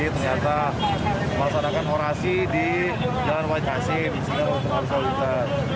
ternyata masalahkan orasi di jalan wahid hashim di sini untuk memusahulkan